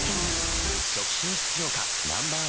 初期品質評価Ｎｏ．１